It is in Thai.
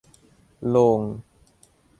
โลง